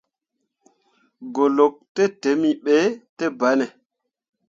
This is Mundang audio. Goluk tǝtǝmmi ɓe ne banne.